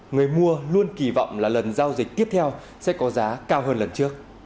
người mua luôn kỳ vọng là lần giao dịch tiếp theo sẽ có giá cao hơn lần trước